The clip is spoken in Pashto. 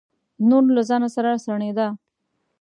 نور نو له ځانه سره سڼېده.